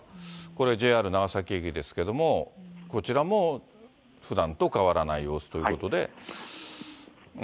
これ、ＪＲ長崎駅ですけれども、こちらもふだんと変わらない様子ということで。